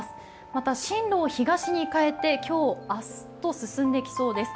また進路を東に変えて今日、明日と進んできそうです。